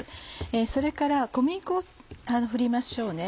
それから小麦粉を振りましょうね。